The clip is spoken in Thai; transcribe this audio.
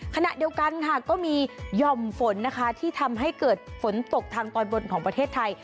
ขณะเดียวกันค่ะก็มีหย่อมฝนนะคะที่ทำให้เกิดฝนตกทางตอนบนของประเทศไทย